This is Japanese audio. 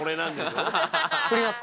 振ります！